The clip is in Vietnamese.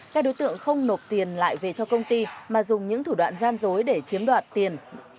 các đối tượng không nộp tiền lại về cho công ty mà dùng những thủ đoạn gian dối để chiếm đoạt tiền